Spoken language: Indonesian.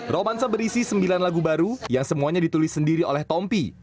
romansa berisi sembilan lagu baru yang semuanya ditulis sendiri oleh tompi